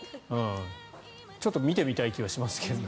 ちょっと見てみたい気はしますけど。